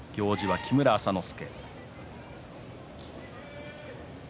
行司は木村朝之助。